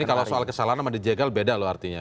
tapi kalau soal kesalahan sama dijegal beda loh artinya